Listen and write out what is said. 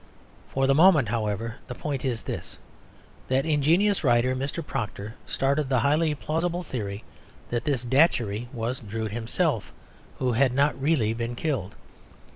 For the moment, however, the point is this: That ingenious writer, Mr. Proctor, started the highly plausible theory that this Datchery was Drood himself, who had not really been killed.